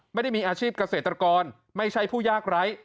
ไม่ได้มีอาชีพเกษตรกรไม่ใช่ผู้ยากไร้